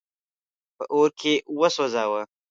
په اور کي وسوځاوه.